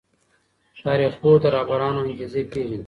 تاريخ پوه د رهبرانو انګېزې پېژني.